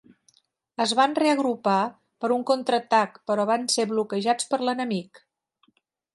Es van reagrupar per a un contraatac però van ser bloquejats per l'enemic.